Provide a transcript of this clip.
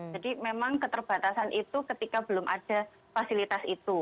jadi memang keterbatasan itu ketika belum ada fasilitas itu